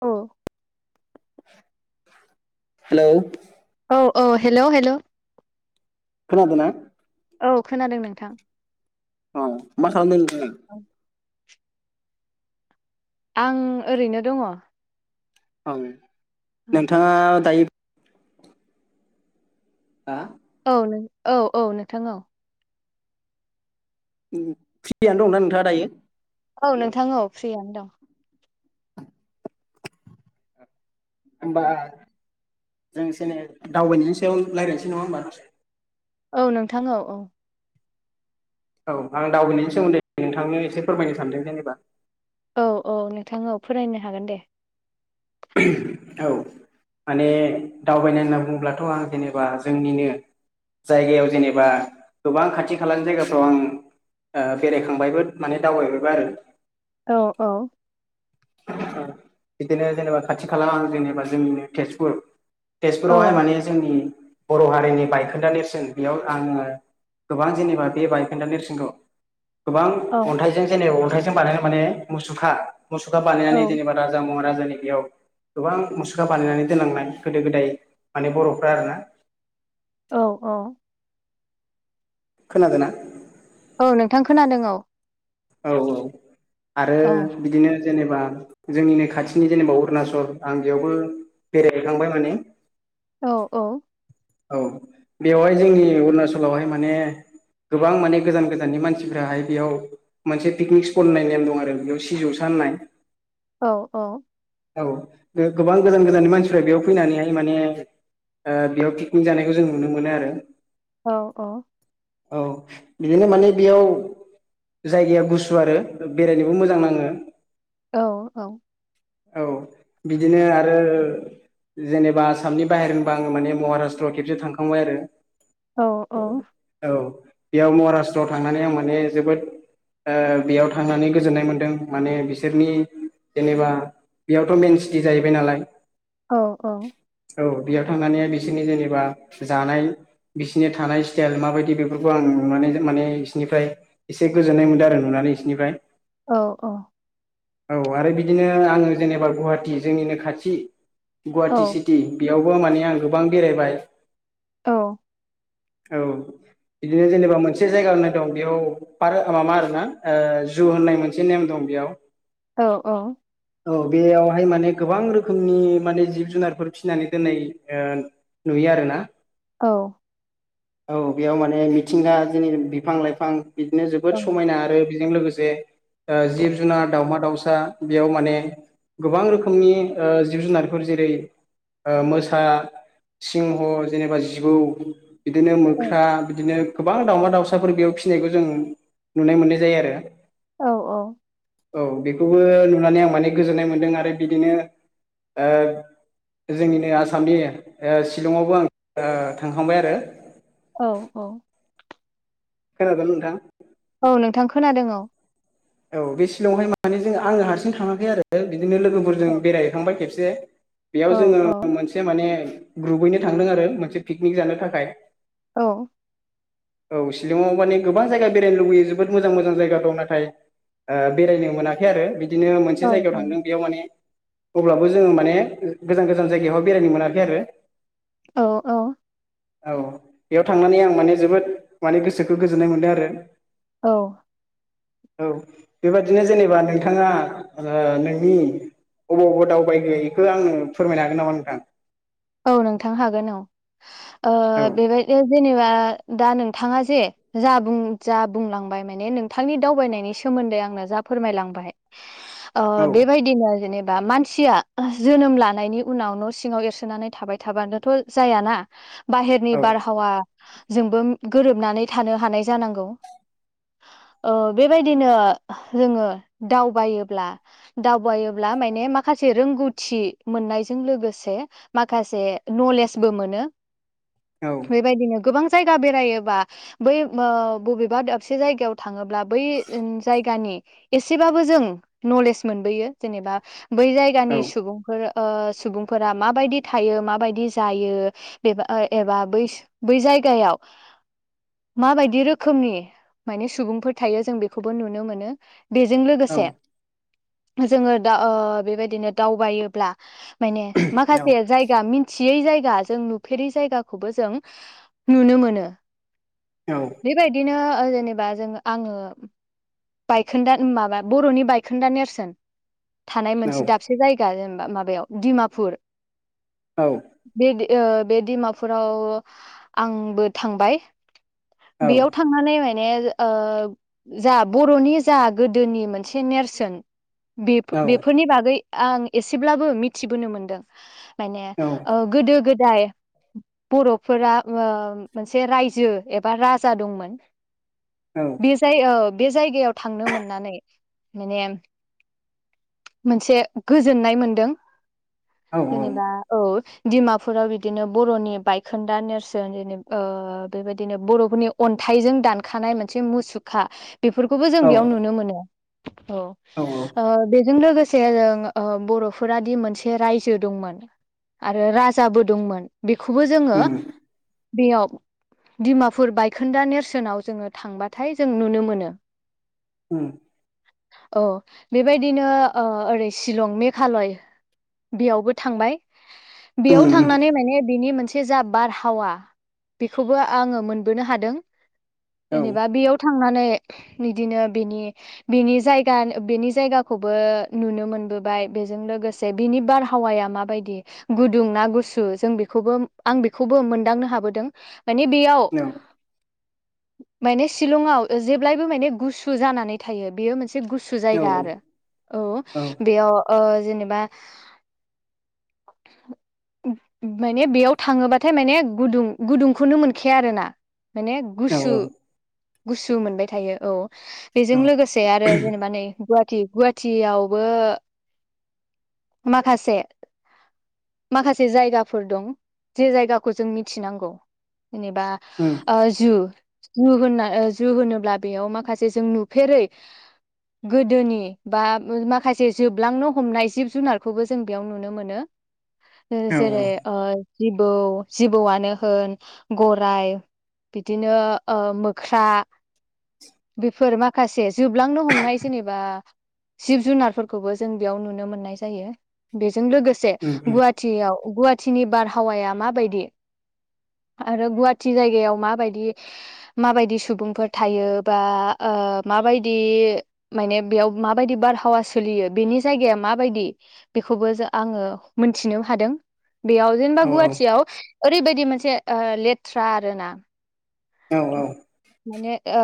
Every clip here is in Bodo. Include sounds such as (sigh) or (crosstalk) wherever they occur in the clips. औ हेलौ। औ औ हेल' हेल'। खोनादोंना। औ खोनादों नोंथां। औ मा खालामदों नोंथाङा। आं ओरैनो दङ। औ नोंथाङा दायो। हा औ औ-औ नोंथां औ। उ फ्रियानो दंना नोंथाङा दायो। औ नोंथां औ फ्रियानो दं। होमबा जों एसे एनै दावबायनायनि सायाव रायज्लायनोसै नङा होमबा। औ नोंथां औ-औ। औ आं दावबायनायनि सोमोन्दै नोंथांनो एसे फोरमायनो सानदों जेनेबा। औ-औ नोंथां औ फरायनो हागोन दे। औ। माने दावबायनाय होनना बुंङोब्लाथ' आं जेनेबा जोंनिनो। जायगायाव जेनेबा गोबां खाथि खालानि जायगाफ्राव आं। ओ बेरायखांबायबो माने दावबायबायबो आरो। औ-औ। बिदिनो जेनेबा खाथि खाला जेनेबा जोंनिनो तेजपुर। औ तेजपुरावहाय माने जोंनि बर' हारिनि बायखोन्दा नेरसोन बेयाव आङो। गोबां जेनेबा बे बायखोन्दा नेरसोनखौ। गोबां औ अन्थाइजों जेनेबा अन्थाइजों बानायो माने मुसुखा। मुसुखा औ बानायनानै जेनेबा राजा महाराजानि बेयाव। गोबां मुसुखा बानायनानै दोनलांनाय गोदो गोदाय माने बर'फ्रा आरोना। औ-औ। खोनादोंना। औ नोंथां खोनादों औ। औ औ आरो औ बिदिनो जेनेबा। जोंनिनो खाथिनि जेनेबा अरुणाचल आं बेयावबो बेरायहैखांबाय माने। औ औ। औ बेवहाय जोंनि अरुणचलावहाय माने। गोबां माने गोजान गोजाननि मानसिफोराहाय बेयाव। मोनसे पिकनिक स्पट होननाय नेम दं आरो बेयाव सिजौसा होननाय। औ औ। औ गो गोबां गोजान गोजाननि मानसिफ्रा बेयाव फैनानैहाय माने। ओ बेयाव पिकनिक जानायखौ जों नुनो मोनो आरो। औ औ। औ बिदिनो माने बेयाव। जायगाया गुसु आरो बेरायनोबो मोजां नाङो। औ औ। औ बिदिनो आरो जेनेबा आसामनि बाहेर होनबा आङो माने महाराषट्रआव खेबसे थांखांबाय आरो। औ औ। औ बेयाव महाराषट्रआव थांनानै आं माने जोबोद ओ बेयाव थांनानै गोजोन्नाय मोनदों माने बिसोरनि जेनेबा बेयावथ मेन सिटि जाहैबाय नालाय। औ औ। औ बेयाव थांनानै बिसोरनि जेनेबा जानाय बिसिनि थानाय स्टेल माबायदि बेफोरखौ आं नुनानै माने बिसिनिफ्राय एसे गोजोन्नाय मोनदों आरो नुनानै बिसिनिफ्राय औ औ। औ आरो बिदिनो आङो जेनेबा गुवाहाटि जोंनिनो खाथि गुवाहाटि सिटि बेयावबो माने आं गोबां बेरायबाय। औ। औ बिदिनो जेनेबा मोनसे जायगा होननाय दं बेयाव आरो माबा आरोना ओ जु होननाय मोनसे नेम दं बेयाव औ औ। औ बेयावहाय माने गोबां रोखोमनि माने जिब जुनारफोर फिनानै दोननाय ओ नुयो यो आरोना औ। औ बेयाव माने मिथिंगा जोनिरि बिफां लाइफां बिदिनो जोबोद समायना आरो बेजों लोगोसे ओ जिब जुनार दाउमा दाउसा बेयाव माने गोबां रोखोमनि ओ जिब जुनारफोर जेरै ओ मोसा सिंह जेनेबा जिबौ बिदिनो मोख्रा बिदिनो गोबां दावमा दाउसाफोर बेयाव फिनायखौ जों नुनाय मोननाय जायो आरो। औ औ। औ बेखौबो नुनानै आं माने गोजोननाय मोन्दों आरो बिदिनो ओ जोंनिनो आसामनि ओ शिलंआवबो ओ थांखांबाय आरो। औ औ। खोनादोंना नोंथां। औ नोंथां खोनादों औ। औ बे शलंआवहाय माने जों आङो हारसिं थाङाखै आरो बिदिनो लोगोफोरजों बेरायहैखांबाय खेबस से औ बेयाव जोङो मोनसे माने ग्रुपबैनो थांदों आरो मोनसे पिकनिक जानो थाखाय। औ। औ शिलंआव माने गोबां जायगा बेरायनो लुबैयो जोबोद मोजां मोजां जायगा दं नाथाय ओ बेरायनो मोनाखै आरो बिदिनो औ मोनसे जायगायाव थांदों बेयाव माने अब्लाबो जोङो माने गोजान गोजान जायगायावहाय बेरायनो मोनाखै आरो औ औ। औ बेयाव थांनानै आं माने जोबोद माने गोसोखौ गोजोननाय मोनदों आरो। औ। औ बेबादिनो जेनेबा नोंथाङा ओ नोंनि अबाव अबाव दावबायगो इखौ आनो फोरमायनो हागोन नामा नोंथां। औ नोंथां हागोन औ ओ औ बेबायदिनो जेनेबा दा नोंथाङा जे जा बुं जा बुंलांबाय माने नोंथांनि दावबायनायनि सोमोन सोमोन्दै आंनो जा फोरमायलांबाय अ औ बेबायदिनो जेनेबा मानसिया जोनोम लानायनि उनाव न' सिङाव एरसोनानै थाबाय थाबानोथ' जायाना बाहेरनि औ बारहावा जोंबो गोरोबनानै थानो हानाय जानांगौ (inaudible) अ बेबायदिनो जोङो दावबायोब्ला दावबायोब्ला माने माखासे जे रोंगौथि मोननायजों लोगोसे माखासे नलेजबो मोनो औ बेबायदिनो गोबां जायगा बेरायोबा बै अ बबेबा दाबसे जायगायाव थाङोब्ला बै जायगानि एसेबाबो जों नलेज मोनबोयो जेनेबा बै औ जायगानि सुबुंफोर अ सुबुंफोरा माबायदि थायो माबायदि जायो बेबा आ एबा बैस बै जायगायाव माबायदि रोखोमनि माने सुबुंफोर थायो जों बेखौबो नुनो मोनो। बेजों औ लोगोसे जोङो दा अ बेबायदिनो दावबायोब्ला माने माखासे जायगा मिनथि थियै जायगा जों नुफेरै जायगाखौबो जों नुनो मोनो। औ बेबायदिनो अ जेनेबा जों आङो बायखोन्दा माबा बर'नि बायखोन्दा नेरसोन थानाय मोनसे दाबसे जायगा जेनेबा माबायाव डिमापुर औ अ बे डिमापुराव आंबो थांबाय बेयाव थांनानै माय माने जा बर'नि जा गोदोनि मोनसे नेरसोन बे बेफोरनि बागै आं एसेब्लाबो मिथिबोनो मोनदों। माने अ गोदो गोद जाय बर'फोरा अ मोनसे रायजो एबा राजा दंमोन बे जाय अ बे जायगायाव थांनो मोननानै माने मोनसे गोजोननाय मोनदों। जेनेबा औ डिमापुराव बिदिनो बर'नि बायखोन्दा नेरसोन जेनेब अ बेफ बेबायदिनो बर'फोरनि अन्थाइजों दानखानाय मोनसे मुसुखा बेफोरखौबो जों औ बेयाव औ नुनो मोनो औ अ बेजों लोगोसे ज जों बर'फोरादि मोनसे रायजो दंमोन आरो राजाबो दंमोन बेखौबो जोङो उम बेयाव दिडिमापुर बायखोन्दा नेरसोनाव जोङो थांबाथाय जों नुनो मोनो। ओम औ बेबायदिनो अ ओरै शिलं मेघालय बेयावबो थांबाय बेयाव उम थांनानै माने बिनि मोनसे जा बारहावा बेखौबो आङो मोनबोनो हादों। औ जेनेबा बेयाव थांना नै बिदिनो बेनि बिनि जायगा बेनि जायगाखौबो नुनो मोनबोबाय बाय बेजों लोगोसे बिनि बारहा हावाया मा बायदि गुदुं ना गुसु जों बेखौबो आं बेखौबो मोनदांनो हाबोदों। माने बेयाव औ माने शिलंआव जेब्लायबो माने गुसु जानानै थायो बेयो मोनसे एसे गुसु औ जायगा आरो औ बेयाव ओ जेनेबा (unintelligible) माने बेयाव थाङोबाथाय माने गुदुं गुदुंखौनो मोनखाया आरोना माने औ उम औ गुसु गुसु मोनबाय थायो औ बेजों लोगोसे आरो जेनेबा नै गुव गुवाहाटियावबो (inaudible) माखासे माखासे जायगाफोर दं जे जायगाखौ जों मिथिनांगौ जेनेबा ओ जु। जु होनना जु होनोब्ला बेयाव माखासे जों नुफेरै गोदोनि बा माखासे जोबलांनो हमनाय जिब जुनारखौबो जों बेयाव नुनो मोनो जेरै ओ जिबौ जिबौआनो होन गराय बिदिनो मोख्रा बेफोर माखासे जोबलांनो हमनाय जेनेबा जिब-जुनारफोरखौबो जों बेयाव नुनो मोननाय जायो बेजों लोगोसे उम उम गुवाहाटियाव गुवाहाटिनि बारहावाया माबायदि आरो गुवाहाटि जायगायाव माबायदि माबायदि सुबुंफोर थायो बा ओ माबायदि माने बेयाव माबायदि बारहावा सोलियो बेनि जायगाया माबायदि बेखौबो आङो मोनथिनो हादों बेयाव जेनेबा औ गुवाहाटियाव ओरैबायदि मोनसे ओ लेथ्रा आरोना औ माने ओ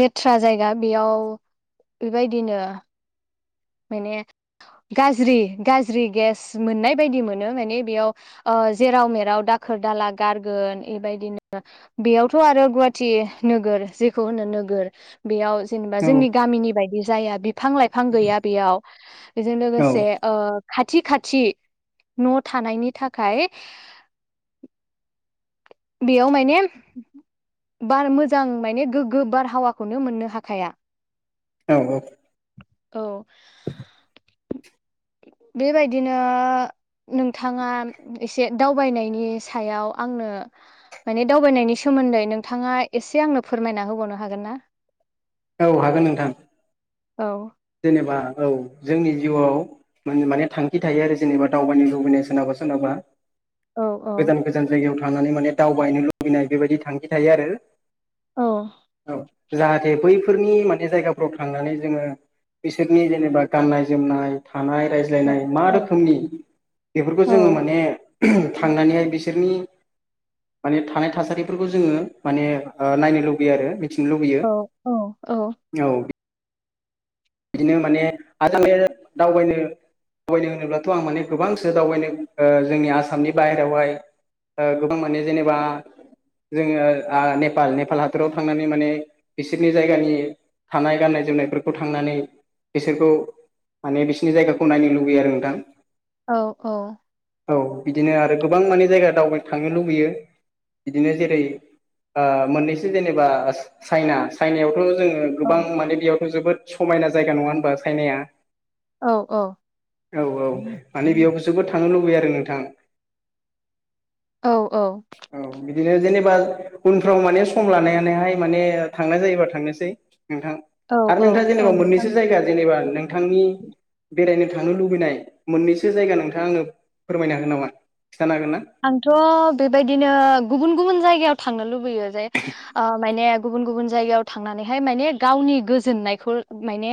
लेथ्रा जायगा बेयाव बेबायदिनो माने गाज्रि गाज्रि गेस मोननाय बायदि मोनो माने बेयाव जेराव मेराव दा बाखोर दाला गारगोन बेबायदिनो बेयावथ' आरो गुवाहाटि नोगोर जेखौ होनो नो गोर बेयाव जेनेबा जोंनि गामिनि बायदि जाया बिफां-लाइफां गैया बेयाव बेजों लोगोसे खाथि खाथि न' थानायनि थाखाय बेयाव माने बार मोजां माने गोग्गो बारहावाखौनो मोननो हाखाया औ औ औ बेबायदिनो नोंथाङा एसे दावबायनायनि सायाव आंनो माने दावबायनायनि सोमोन्दै नोंथाङा एसे आंनो फोरमायना होबावनो हागोन ना औ हागोन नोंथां औ जेनेबा औ जोंनि जिउआव माने थांखि थायो आरो जेनेबा दावबायनो लुबैनाय सोनाब सोनावबा औ औ गोजान गोजान जायगायाव थांनानै माने दावबायनो लुबैनाय बेबायदि थांखि थायो आरो औ औ जाहाथे बैफोरनि माने जायगाफोराव थांनानै जोङो बिसोरनि जेनेबा गाननाय जोमनाय थानाय रायज्लायनाय मा रोखोमनि बेफोरखौ औ जोङो माने थांनानैहाय बिसोरनि माने थानाय थासारिफोरखौ जोङो माने नायनो लुबैयो आरो थिनो लुबैयो औ औ औ औ बिदिनो माने (unintelligible) दावबायनो दावबायनो होनोब्लाथ आं माने गोबांसो दावबायनो जोंनि आसामनि बाहेरायावहाय गोबां माने जेनेबा जोङो आ नेपाल नेपाल हादराव थांनानै माने बिसोरनि जायगानि थानाय गाननाय जोमनायफोरखौ थांनानै बिसोरखौ माने बिसिनि जायगाखौ नायनो लुुबैयो आरो नोंथां औ औ औ बिदिनो आरो गोबां माने जायगा दावबाय थांनो लुबैयो। बिदिनो ओ जेरै मोननैसो जेनेबा चाइना-चाइनायाव थ जोङो औ गोबां माने बेयावथ जोबोद समायना जायगा नङा होनबा चाइनाया औ औ औ औ माने बेयावबो जोबोद थांनो लुबैयो आरो नोंथां औ औ बिदिनो जेनेबा (unintelligible) उनफ्राव माने सम लानायानानैहाय माने थांनाय जायोबा थांनोसै नोंथां औ आरो औ नोंथाङा औ जेनेबा नोंथां मोननैसो जायगा जेनेबा नोंथांनि बेरायनो था थांनो लुबैनाय मोननैसो जायगा नोंथाङा आङो फोरमायनो हागोन नामा? खिन्थानो हागोन ना आंथ' बेबायदिनो गुबुन गुबुन जायगायाव थां थांनो लुबैयो जे ओ माने गुबुन गुबुन जायगायाव थांनानैहाय माने गावनि गोजोननायखौ माने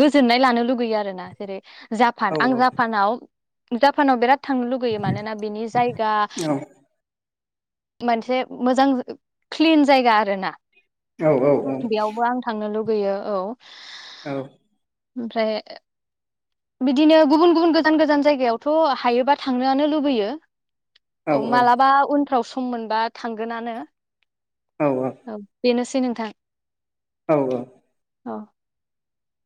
गोजोननाय लानो लुगैयो आरो ना जेरै जापान औ आं जापानाव जापानाव बिराद थांनो लुगैयो मानोना बिनि जायगा औ मोनसे मोजां क्लिन जायगा आरो ना औ औ बेयावबो आं थांनो लुगैयो औ औ ओमफ्राय बिदिनो गुबुन गुबुन गोजान गोजान जायगायावथ' हायोबा थांनोआनो लुबैयो औ मालाबा उनफ्राव सम मोनबा थांगोनानो औ बेनोसै नोंथां औ औ औ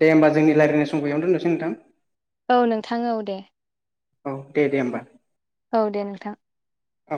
दे होमब जोंनि राय्लायनाय सम बेयावनो दोननोसै नोंथां औ नोंथां औ दे औ दे दे होमबा औ दे नोंथां औ